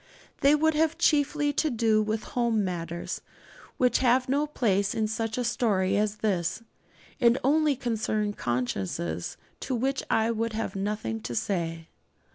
They would have chiefly to do with home matters which have no place in such a story as this, and only concern consciences to which I would have nothing to say.